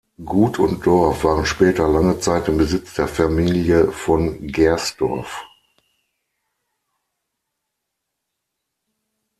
Gut und Dorf waren später lange Zeit im Besitz der Familie von Gersdorff.